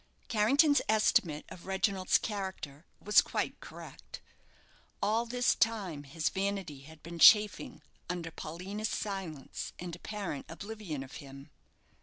Carrington's estimate of Reginald's character was quite correct. All this time his vanity had been chafing under Paulina's silence and apparent oblivion of him.